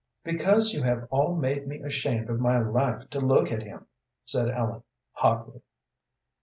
"Because you have all made me ashamed of my life to look at him," said Ellen, hotly.